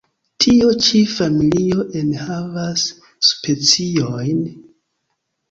Tio ĉi familio enhavas speciojn.